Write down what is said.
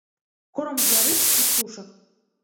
Корм для рыб і птушак.